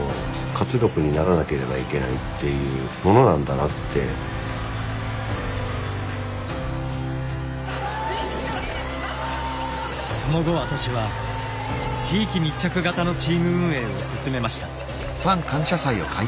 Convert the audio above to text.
やっぱり僕らもその後私は地域密着型のチーム運営を進めました。